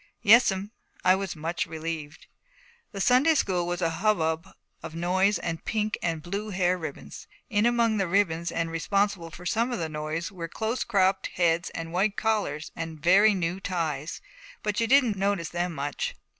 'Yes'm.' I was much relieved. The Sunday school was a hubbub of noise and pink and blue hair ribbons. In among the ribbons, and responsible for some of the noise, were close cropped heads and white collars and very new ties, but you didn't notice them much.